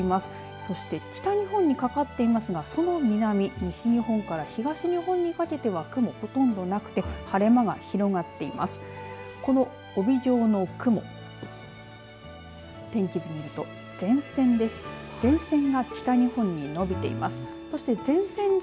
そして、北日本にかかっていますが、その南西日本から東日本にかけては雲、ほとんどなくて晴れ間が広がっています。